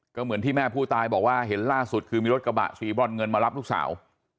ก็เหมือนที่แม่ผู้ตายบอกว่าเห็นล่าสุดคือมีรถกระบะสีบรอนเงินมารับลูกสาว